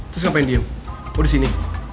terus ngapain diem gue disini